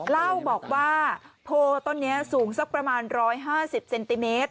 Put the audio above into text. เล่าบอกว่าโพต้นนี้สูงสักประมาณ๑๕๐เซนติเมตร